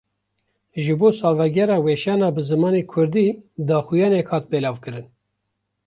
Ji bo salvegera weşana bi zimanê Kurdî, daxuyaniyek hat belavkirin